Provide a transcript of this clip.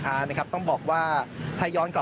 มาดูบรรจากาศมาดูความเคลื่อนไหวที่บริเวณหน้าสูตรการค้า